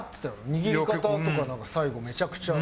握り方とかなんか最後めちゃくちゃ。